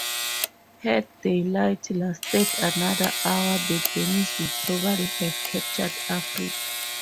Had daylight lasted another hour the Danes would probably have captured "Africa".